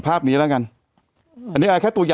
แต่หนูจะเอากับน้องเขามาแต่ว่า